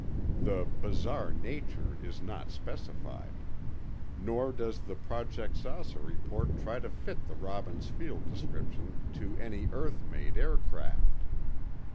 The "bizarre nature" is not specified. Nor does the Project "Saucer" report try to fit the Robbins Field description to any earth made aircraft.